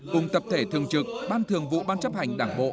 cùng tập thể thường trực ban thường vụ ban chấp hành đảng bộ